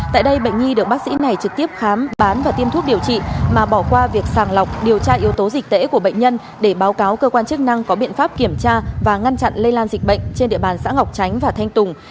tại đây bệnh nhi được bác sĩ này trực tiếp khám bán và tiêm thuốc điều trị mà bỏ qua việc sàng lọc điều tra yếu tố dịch tễ của bệnh nhân để báo cáo cơ quan chức năng có biện pháp kiểm tra và ngăn chặn lây lan dịch bệnh trên địa bàn xã ngọc tránh và thanh tùng